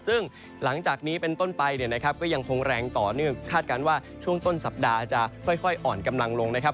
ซึ่งหลังจากนี้เป็นต้นไปเนี่ยนะครับก็ยังคงแรงต่อเนื่องคาดการณ์ว่าช่วงต้นสัปดาห์จะค่อยอ่อนกำลังลงนะครับ